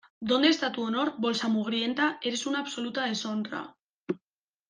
¿ Dónde está tu honor, bolsa mugrienta? ¡ eres una absoluta deshonra!